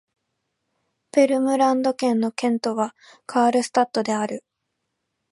ヴェルムランド県の県都はカールスタッドである